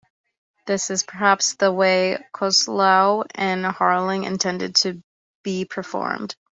This is, perhaps, the way Coslow and Harling intended it to be performed.